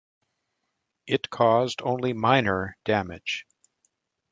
It caused only minor damage.